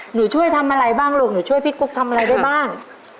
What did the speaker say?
ช่วยทำอะไรบ้างลูกหนูช่วยพี่กุ๊กทำอะไรได้บ้าง